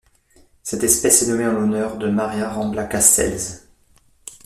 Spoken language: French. Cette espèce est nommée en l'honneur de María Rambla Castells.